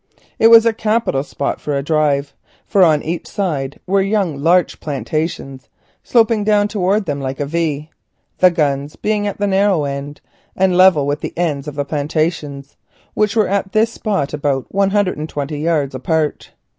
It was a capital spot for a drive, for on each side were young larch plantations, sloping down towards them like a V, the guns being at the narrow end and level with the points of the plantations, which were at this spot about a hundred and twenty yards apart.